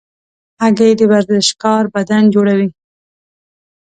هګۍ د ورزشکار بدن جوړوي.